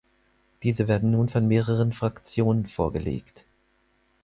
Diese werden nun von mehreren Fraktionen vorgelegt.